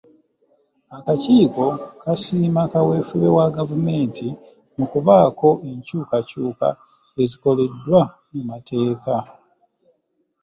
Akakiiko kasiima kaweefube wa Gavumenti mu kubaako enkyukakyuka ezikoleddwa mu mateeka.